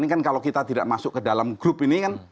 ini kan kalau kita tidak masuk ke dalam grup ini kan